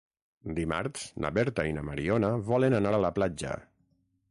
Dimarts na Berta i na Mariona volen anar a la platja.